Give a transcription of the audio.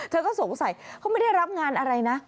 เธอก็สงสัยเขาไม่ได้รับงานอะไรนะ